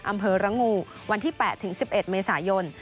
อำเภอระงูวันที่๘ถึง๑๑เมษายน